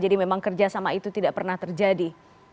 jadi memang kerja sama itu tidak pernah terjadi